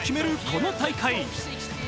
この大会。